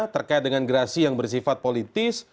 terkait dengan gerasi yang bersifat politis